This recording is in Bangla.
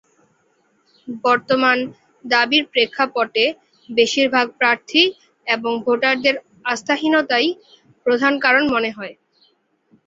বর্তমান দাবির প্রেক্ষাপটে বেশির ভাগ প্রার্থী এবং ভোটারদের আস্থাহীনতাই প্রধান কারণ মনে হয়।